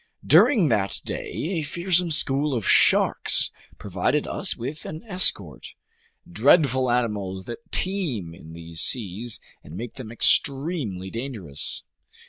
During that day a fearsome school of sharks provided us with an escort. Dreadful animals that teem in these seas and make them extremely dangerous.